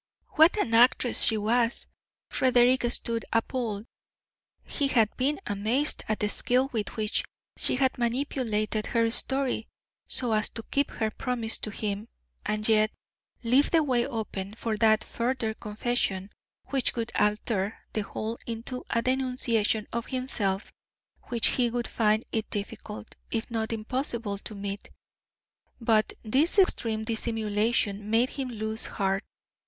What an actress she was! Frederick stood appalled. He had been amazed at the skill with which she had manipulated her story so as to keep her promise to him, and yet leave the way open for that further confession which would alter the whole into a denunciation of himself which he would find it difficult, if not impossible, to meet. But this extreme dissimulation made him lose heart.